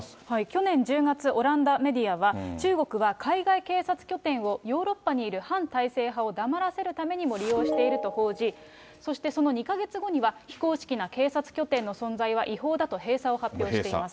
去年１０月、オランダメディアは、中国は海外警察拠点をヨーロッパにいる反体制派を黙らせるためにも利用していると報じ、そしてその２か月後には、非公式な警察拠点の存在は違法だと閉鎖を発表しています。